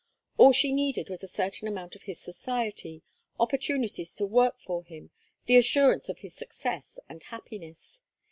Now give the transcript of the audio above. All she needed was a certain amount of his society, opportunities to work for him, the assurance of his success and happiness.